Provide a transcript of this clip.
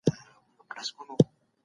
نوي پروژي د محصلینو ذهنونه خلاصوي.